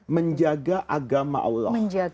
menjaga agama allah